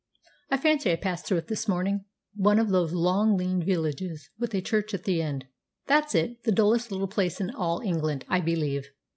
"I fancy I passed through it this morning. One of those long, lean villages, with a church at the end." "That's it the dullest little place in all England, I believe."